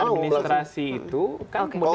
kalau suatu putusan administrasi itu kan boleh